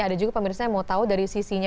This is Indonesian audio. ada juga pemirsa yang mau tahu dari sisinya